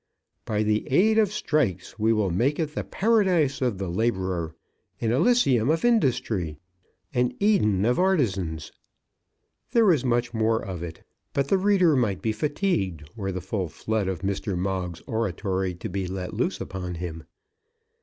By the aid of strikes we will make it the Paradise of the labourer, an Elysium of industry, an Eden of artizans." There was much more of it, but the reader might be fatigued were the full flood of Mr. Moggs's oratory to be let loose upon him.